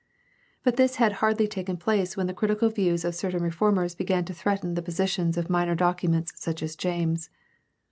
But this had hardly taken place when the critical views of certain reformers began to threaten the position of minor documents such as James.